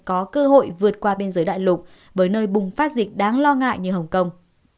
có cơ hội vượt qua biên giới đại lục với nơi bùng phát dịch đáng lo ngại như hồng kông